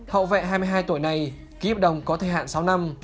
hậu vệ hai mươi hai tuổi này ký hợp đồng có thời hạn sáu năm